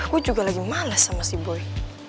gue juga lagi males sama si boy